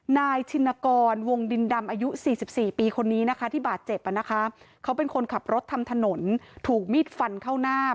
นายชินกรวงดินดำอายุ๔๔ปีคนนี้นะคะที่บาดเจ็บอ่ะนะคะเขาเป็นคนขับรถทำถนนถูกมีดฟันเข้าหน้า